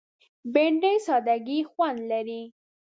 بېنډۍ د سادګۍ خوند لري